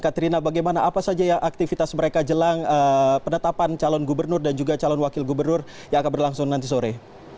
katrina bagaimana apa saja ya aktivitas mereka jelang penetapan calon gubernur dan juga calon wakil gubernur yang akan berlangsung nanti sore